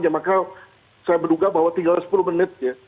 ya maka saya menduga bahwa tinggal sepuluh menit ya